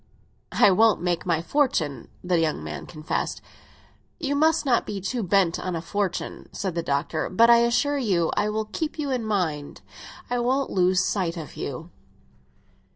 "It won't make my fortune!" the young man confessed. "You must not be too much bent on a fortune," said the Doctor. "But I assure you I will keep you in mind; I won't lose sight of you!"